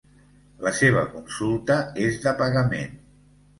La seva consulta és de pagament.